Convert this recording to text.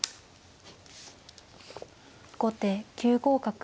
後手９五角。